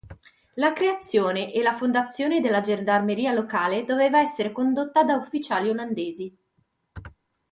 La creazione e la formazione della gendarmeria locale doveva essere condotta da ufficiali olandesi.